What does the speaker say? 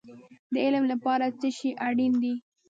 د علم لپاره څه شی اړین دی؟